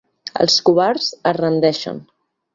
Els covards es rendeixen.